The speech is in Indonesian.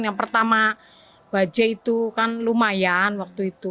yang pertama bajai itu kan lumayan waktu itu